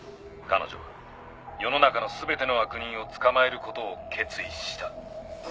彼女は世の中のすべての悪人を捕まえることを決意した」